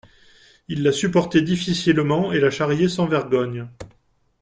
Il la supportait difficilement et la charriait sans vergogne.